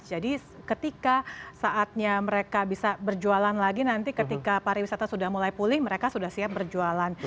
jadi ketika saatnya mereka bisa berjualan lagi nanti ketika pariwisata sudah mulai pulih mereka sudah siap berjualan